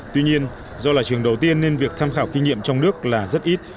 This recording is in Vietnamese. tuy nhiên do là trường đầu tiên nên việc tham khảo kinh nghiệm trong nước là rất ít